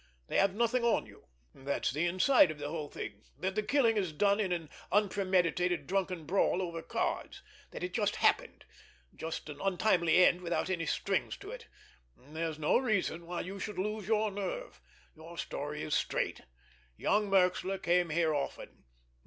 They have nothing on you. That's the inside of the whole thing—that the killing is done in an unpremeditated, drunken brawl over cards—that it just happened—just an untimely end without any other strings to it! There's no reason why you should lose your nerve—your story is straight. Young Merxler came here often.